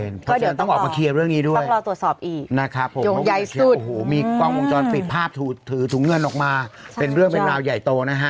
เพราะฉะนั้นต้องออกมาเคลียร์เรื่องนี้ด้วยต้องรอตรวจสอบอีกนะครับผมมีกล้องวงจรปิดภาพถือถุงเงินออกมาเป็นเรื่องเป็นราวใหญ่โตนะฮะ